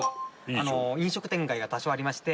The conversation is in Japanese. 飲食店街が多少ありまして。